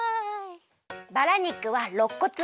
バラ肉はろっこつ。